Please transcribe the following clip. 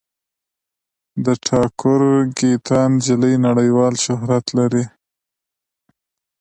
د ټاګور ګیتا نجلي نړیوال شهرت لري.